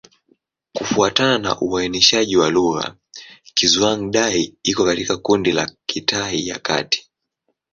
Kufuatana na uainishaji wa lugha, Kizhuang-Dai iko katika kundi la Kitai ya Kati.